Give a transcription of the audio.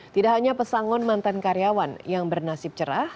tidak hanya pesangon mantan karyawan yang bernasib cerah